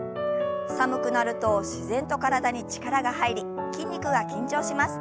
寒くなると自然と体に力が入り筋肉が緊張します。